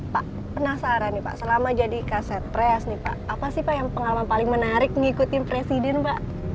pak penasaran nih pak selama jadi kaset pres nih pak apa sih pak yang pengalaman paling menarik ngikutin presiden pak